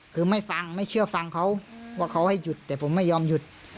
คือไม่ฟังไม่เชื่อฟังเขาว่าเขาให้หยุดแต่ผมไม่ยอมหยุด